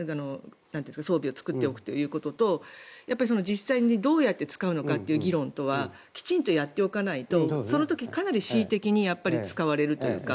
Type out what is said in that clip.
装備を作っておくということと実際にどうやって使うのかという議論はきちんとやっておかないとその時、かなり恣意的に使われるというか。